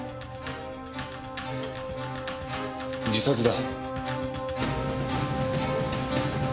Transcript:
自殺だ。